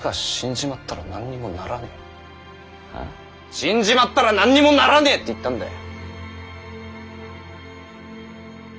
死んじまったら何にもならねぇって言ったんだい！